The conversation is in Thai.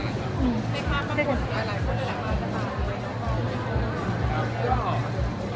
ไม่ข้าดความฝึกใดใดกับพวกเกายังไง